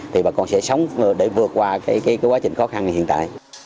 thì bà con sẽ sống để vượt qua quá trình khó khăn như hiện tại